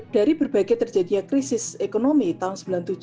dari berbagai terjadinya krisis ekonomi tahun seribu sembilan ratus sembilan puluh tujuh